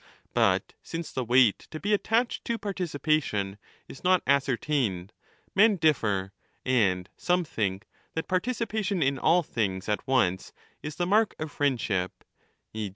But since the weight to be attached to 6 participation is not ascertained, men differ, and some think that participation in all things at once is the mark of friendship, e.